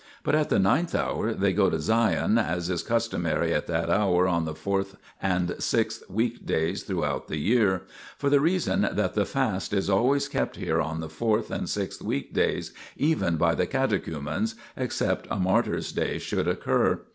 But at the ninth hour they go to Sion, as is customary at that hour on the fourth and sixth 2 weekdays through out the year, for the reason that the fast is always kept here on the fourth and sixth weekdays even by the catechumens, except a martyrs' day should occur.